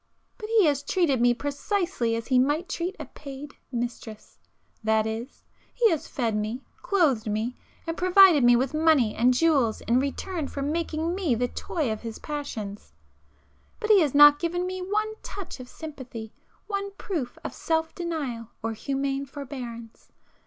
But he has treated me precisely as he might treat a paid mistress,—that is, he has fed me, clothed me, and provided me with money and jewels in return for making me the toy of his passions,—but he has not given me one touch of sympathy,—one proof of self denial or humane forbearance.